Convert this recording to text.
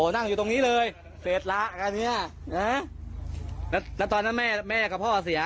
นั่งอยู่ตรงนี้เลยเสร็จละกันเนี่ยนะแล้วตอนนั้นแม่แม่กับพ่อเสีย